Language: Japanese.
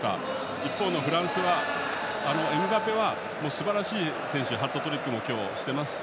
一方のフランスはエムバペはすばらしい選手でハットトリックもしていますし。